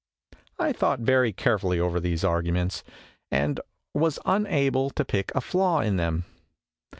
I thought very carefully over these arguments and was unable to pick a flaw in them.